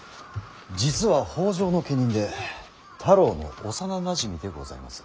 実は北条の家人で太郎の幼なじみでございます。